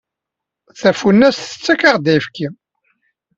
Tafunast tettak-aɣ-d ayefki.